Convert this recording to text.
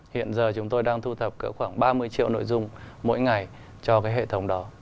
hiện giờ chúng tôi đang thu thập cỡ khoảng ba mươi triệu nội dung mỗi ngày cho cái hệ thống đó